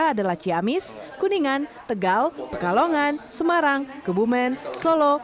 adalah ciamis kuningan tegal pekalongan semarang kebumen solo